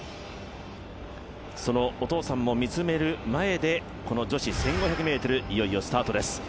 そのお父さんも見つめる前でこの女子１５００ｍ、いよいよスタートです。